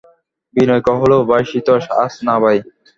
বিনয় কহিল, ভাই সতীশ, আজ না ভাই!